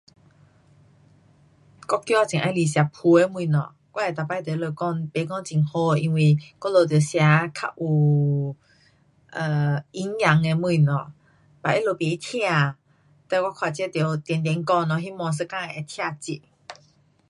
我儿很喜欢吃炸的东西。我会每次跟他们说不讲很好，我们得吃较有 um 营养的东西。but 他们不听。叫我看得一直讲咯，希望一天会听进。